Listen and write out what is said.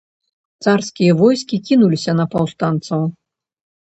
Царскія войскі кінуліся на паўстанцаў.